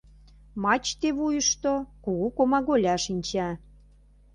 Мачте вуйышто кугу комаголя шинча.